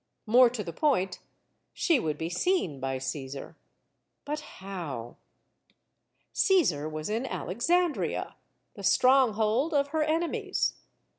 More to the point, she would be seen by Caesar. But how? Caesar was in Alexandria, the stronghold of her enemies.